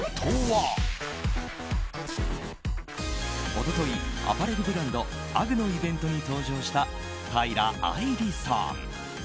一昨日アパレルブランドＵＧＧのイベントに登場した平愛梨さん。